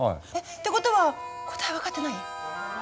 ってことは答え分かってない？